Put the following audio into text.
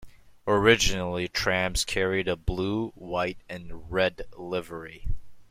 Originally trams carried a blue, white and red livery.